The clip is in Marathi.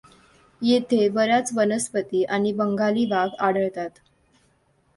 येथे बर् याच वनस्पती आणि बंगाली वाघ आढळतात.